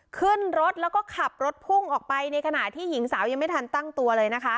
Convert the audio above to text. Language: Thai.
ขึ้นรถแล้วก็ขับรถพุ่งออกไปในขณะที่หญิงสาวยังไม่ทันตั้งตัวเลยนะคะ